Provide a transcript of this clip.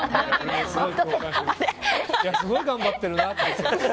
すごい頑張ってるなって。